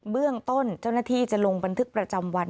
เบื้องต้นเจ้าหน้าที่จะลงบันทึกประจำวัน